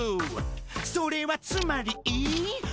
「それはつまり」